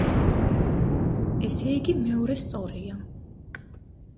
ესე იგი, მეორე სწორია.